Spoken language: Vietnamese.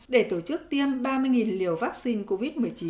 để tổ chức tiêm ba mươi liều vaccine covid một mươi chín